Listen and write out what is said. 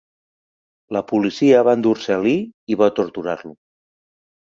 La policia va endur-se Lee i va torturar-lo.